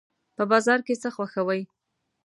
په بازار کې څه خوښوئ؟